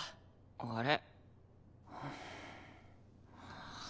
あれ？